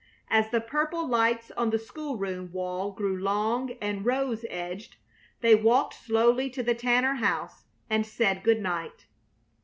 As the purple lights on the school room wall grew long and rose edged, they walked slowly to the Tanner house and said good night.